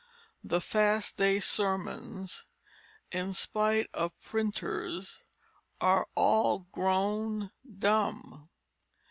The Fast Day Sermons, in spite of printers, are all grown dumb.